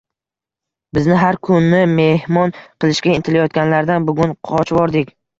Bizni har kuni mehmon qilishga intilayotganlardan bugun qochvordik.